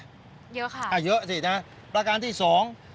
เยอะค่ะอ่าเยอะสินะประการที่สอง